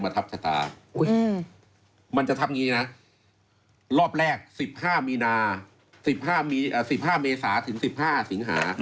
มันจะทับอย่างนี้นะรอบแรก๑๕เมษาถึง๑๕สิงหา